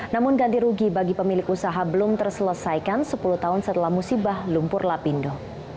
namun ganti rugi bagi pemilik usaha belum terselesaikan sepuluh tahun setelah musibah lumpur lapindo